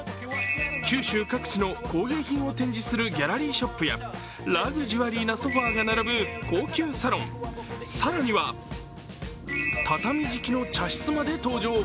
九州各地の工芸品を展示するギャラリーショップやラグジュアリーなソファーが並ぶ高級サロン、更には、畳敷きの茶室まで登場。